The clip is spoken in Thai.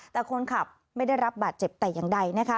แต่คนขับไม่ได้รับบาดเจ็บแต่อย่างใดนะคะ